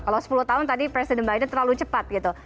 kalau sepuluh tahun tadi presiden biden terlalu cepat gitu